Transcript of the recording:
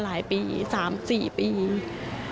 นายพิรายุนั่งอยู่ติดกันแบบนี้นะคะ